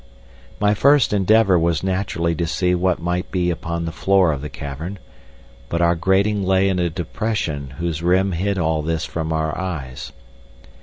My first endeavour was naturally to see what might be upon the floor of the cavern, but our grating lay in a depression whose rim hid all this from our eyes.